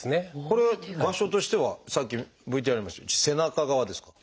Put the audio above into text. これは場所としてはさっきＶＴＲにありましたけど背中側ですか？